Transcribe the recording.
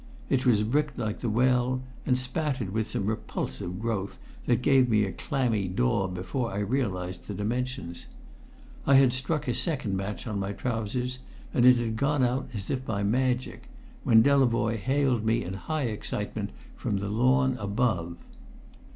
It was bricked like the well, and spattered with some repulsive growth that gave me a clammy daub before I realised the dimensions. I had struck a second match on my trousers, and it had gone out as if by magic, when Delavoye hailed me in high excitement from the lawn above.